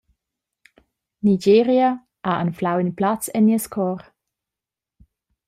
Nigeria ha anflau in plaz en nies cor.